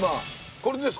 これですか？